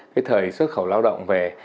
cái thời xuất khẩu lao động về